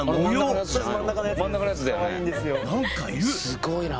すごいな。